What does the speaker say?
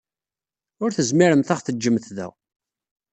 Ur tezmiremt ad ɣ-teǧǧemt da.